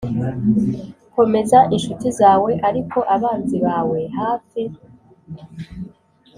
komeza inshuti zawe, ariko abanzi bawe hafi.